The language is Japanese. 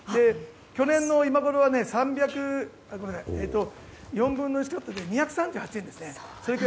去年の今ごろは４分の１で２３８ですね。